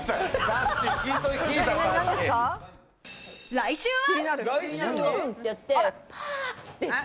来週は。